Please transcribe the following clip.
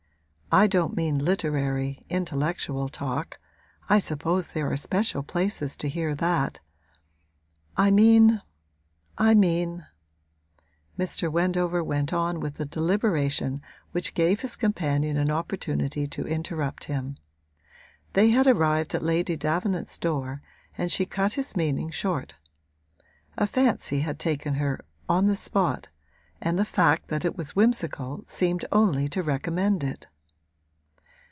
I don't mean literary, intellectual talk I suppose there are special places to hear that; I mean I mean ' Mr. Wendover went on with a deliberation which gave his companion an opportunity to interrupt him. They had arrived at Lady Davenant's door and she cut his meaning short. A fancy had taken her, on the spot, and the fact that it was whimsical seemed only to recommend it.